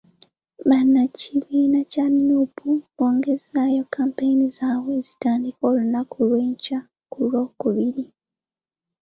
Bannakibiina kya Nuupu bongezzaayo kampeyini zaabwe, zitandike olunaku lw'enkya ku Lwokubiri.